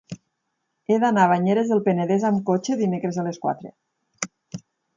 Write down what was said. He d'anar a Banyeres del Penedès amb cotxe dimecres a les quatre.